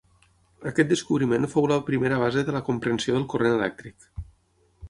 Aquest descobriment fou la primera base de la comprensió del corrent elèctric.